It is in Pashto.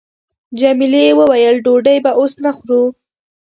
جميلې وويل:، ډوډۍ به اوس نه خورو.